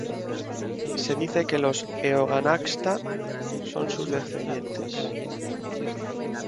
Se dice que los Eóganachta son sus descendientes.